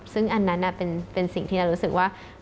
ซึ่งอันนั้นเป็นสิ่งที่เรารู้สึกว่า